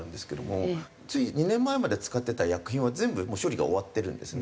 つい２年前まで使ってた薬品は全部もう処理が終わってるんですね